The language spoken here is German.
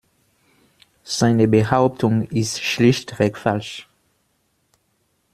Seine Behauptung ist schlichtweg falsch.